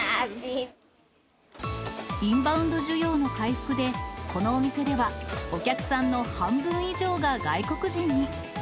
インバウンド需要の回復で、このお店では、お客さんの半分以上が外国人に。